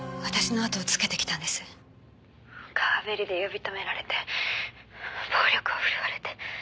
「川べりで呼び止められて暴力を振るわれて」